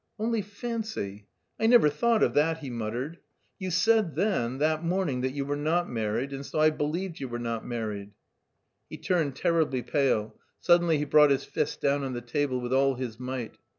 "Only fancy, I never thought of that," he muttered. "You said then, that morning, that you were not married... and so I believed you were not married." He turned terribly pale; suddenly he brought his fist down on the table with all his might.